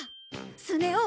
スネ夫